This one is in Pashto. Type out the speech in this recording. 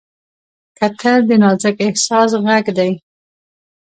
کتل د نازک احساس غږ دی